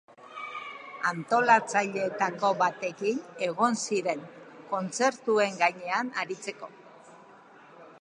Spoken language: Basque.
Antolatzaileetako batekin egon ziren, kontzertuen gainean aritzeko.